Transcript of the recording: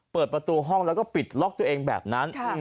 เปิดประตูห้องแล้วก็ปิดล็อกตัวเองแบบนั้น